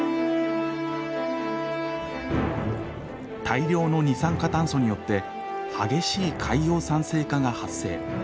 大量の二酸化炭素によって激しい海洋酸性化が発生。